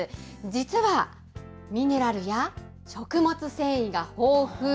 実はミネラルや食物繊維が豊富。